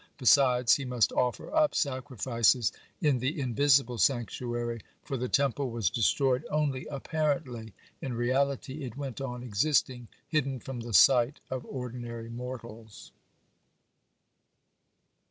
(41) Besides, he must offer up sacrifices in the invisible sanctuary, for the Temple was destroyed only apparently; in reality, it went on existing, hidden from the sight of ordinary mortals.